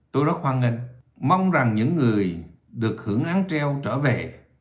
tôi rất hoan nghênh mong rằng những người được hưởng án treo trở về